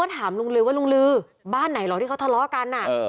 ถามลุงลือว่าลุงลือบ้านไหนเหรอที่เขาทะเลาะกัน